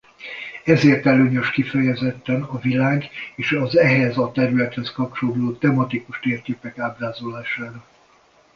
Ezért előnyös kifejezetten a világ- és az ehhez a területhez kapcsolódó tematikus térképek ábrázolására.